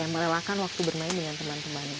melelakan waktu bermain dengan temen temennya